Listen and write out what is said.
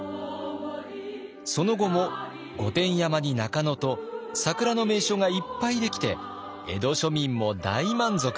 その後も御殿山に中野と桜の名所がいっぱい出来て江戸庶民も大満足。